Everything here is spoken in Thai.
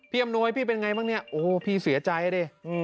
อำนวยพี่เป็นไงบ้างเนี่ยโอ้โหพี่เสียใจดิ